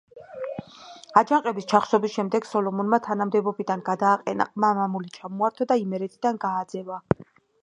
აჯანყების ჩახშობის შემდეგ სოლომონმა თანამდებობიდან გადააყენა, ყმა-მამული ჩამოართვა და იმერეთიდან გააძევა.